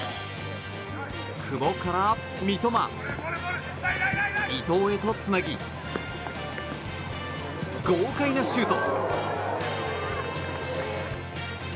久保から三笘伊東へとつなぎ豪快なシュート。